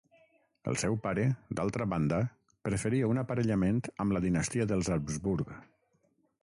El seu pare, d'altra banda, preferia un aparellament amb la dinastia dels Habsburg.